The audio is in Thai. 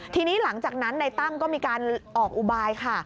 ทีนี้หลังจากนั้นในตั้มก็มีการออกอุบายค่ะ